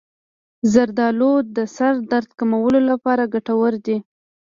زردآلو د سر درد کمولو لپاره ګټور دي.